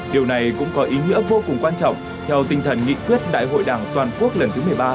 điều này cũng có ý nghĩa vô cùng quan trọng theo tinh thần nghị quyết đại hội đảng toàn quốc lần thứ một mươi ba